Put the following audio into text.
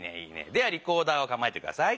ではリコーダーをかまえてください。